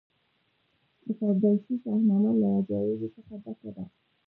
د فردوسي شاهنامه له عجایبو څخه ډکه ده.